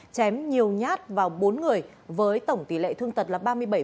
chém nhiều nhát vào bốn người với tổng tỷ lệ thương tật là ba mươi bảy